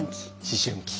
思春期？